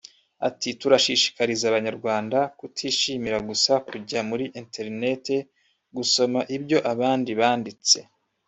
Ati “Turashishikariza Abanyarwanda kutishimira gusa kujya kuri Internet gusoma ibyo abandi banditse